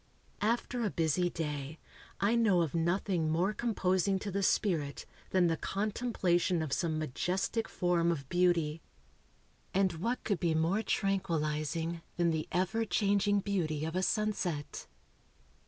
After a busy day, I know of nothing more composing to the spirit than the contemplation of some majestic form of beauty. And what could be more tranquillizing than the ever changing beauty of a sunset?